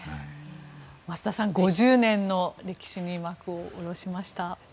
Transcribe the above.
増田さん、５０年の歴史に幕を下ろしました。